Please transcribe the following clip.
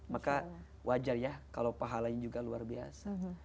maka wajar ya kalau pahalanya juga luar biasa